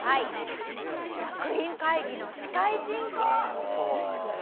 やっぱりそうだよね。